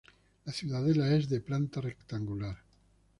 La ciudadela es de planta rectangular.